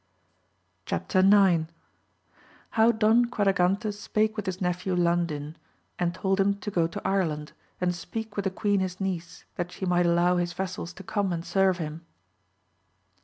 AMADIS OF GAUL. 93 Chap. IX—How Don Quadragante spake with his Nephew Landin, and told him to go to Ireland, and speak with the Queen his niece, that she might allow his vassals to come and serve him.